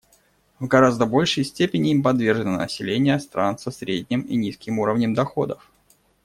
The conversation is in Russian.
В гораздо большей степени им подвержено население стран со средним и низким уровнем доходов.